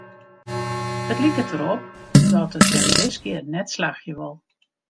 It liket derop dat it him diskear net slagje wol.